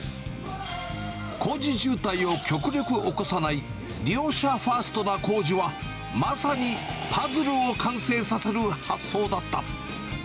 工事渋滞を極力起こさない、利用者ファーストな工事は、まさにパズルを完成させる発想だった。